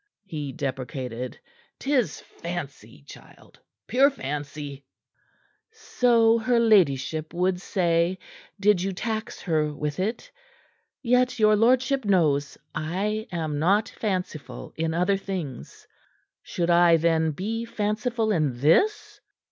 he deprecated, "'tis fancy, child pure fancy!" "So her Ladyship would say, did you tax her with it. Yet your lordship knows I am not fanciful in other things. Should I, then, be fanciful in this?"